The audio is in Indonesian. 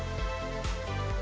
agar pemandangan tetap indah